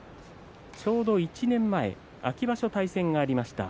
ちょうど１年前秋場所対戦がありました。